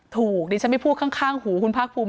ดิฉันไม่พูดข้างหูคุณภาคภูมิ